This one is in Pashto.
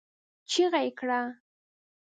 چيغه يې کړه!